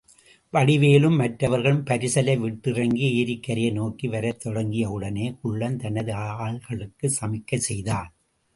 வடிவேலும் மற்றவர்களும் பரிசலை விட்டிறங்கி, எரிக்கரையை நோக்கி வரத் தொடங்கியவுடனே, குள்ளன் தனது ஆள்களுக்குச் சமிக்கை செய்தான்.